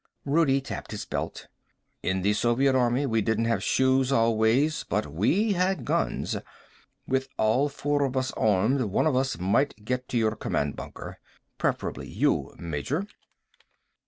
Rudi tapped his belt. "In the Soviet army we didn't have shoes always, but we had guns. With all four of us armed one of us might get to your command bunker. Preferably you, Major."